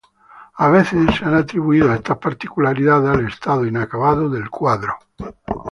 A veces se han atribuido estas particularidades al estado inacabado del cuadro.